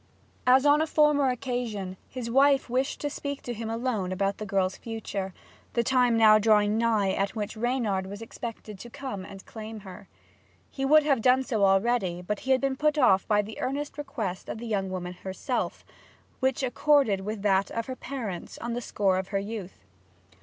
As on a former occasion, his wife wished to speak to him alone about the girl's future, the time now drawing nigh at which Reynard was expected to come and claim her. He would have done so already, but he had been put off by the earnest request of the young woman herself, which accorded with that of her parents, on the score of her youth.